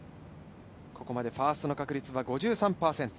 ここまでファーストの確率は５３％。